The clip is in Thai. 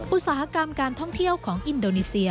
อุตสาหกรรมการท่องเที่ยวของอินโดนีเซีย